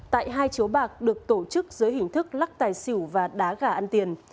tại hai chiếu bạc được tổ chức dưới hình thức lắc tài xỉu và đá gà ăn tiền